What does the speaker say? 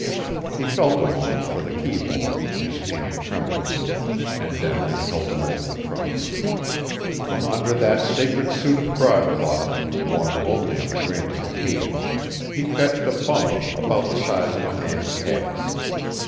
He felt a moment for the keyhole, his hand trembling, and then I helped him open the trunk. From under that sacred suit of broadcloth, worn only on the grandest occasions, he fetched a bundle about the size of a man's head.